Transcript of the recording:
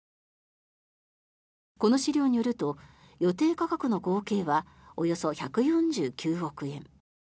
この資料によると予定価格の合計はおよそ１４９億円。